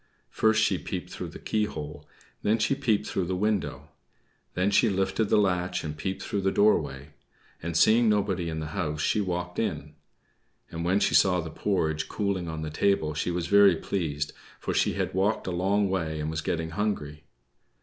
First she peeped through the keyhole; then she peeped through the window. Then she lifted the latch and peeped through the doorway; and, seeing nobody in the house, she walked in. And when she saw the porridge cooling on the table she was very pleased, for she had walked a long way, and was getting hungry.